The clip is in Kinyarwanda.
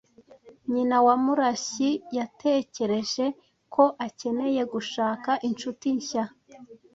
Nyina wa Murashyi yatekereje ko akeneye gushaka inshuti nshya.